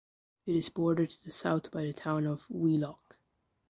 It is bordered to the south by the town of Wheelock.